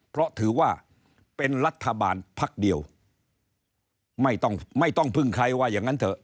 เพราะถือว่าเป็นรัฐบาลพักเดียวไม่ต้องไม่ต้องพึ่งใครว่าอย่างนั้นเถอะ